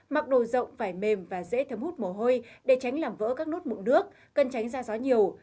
mặc đồ rộng phải mềm và dễ thấm hút mồ hôi để tránh làm vỡ các nút mụn nước cần tránh ra gió nhiều